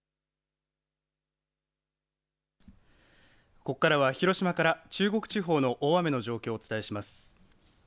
ここからは広島から中国地方の大雨の状況をお伝えします。